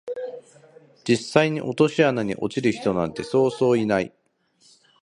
実際に落とし穴に落ちる人なんてそうそういない